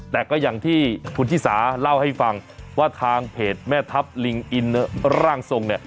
แต่ก็อย่างที่คุณชิสาเล่าให้ฟังว่าทางเพจแม่ทัพลิงอินร่างทรงเนี่ย